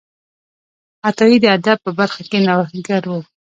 عطایي د ادب په برخه کې نوښتګر و.